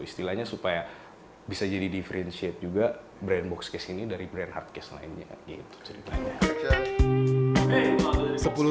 istilahnya supaya bisa jadi differentiate juga brand boxcase ini dari brand hardcase lainnya gitu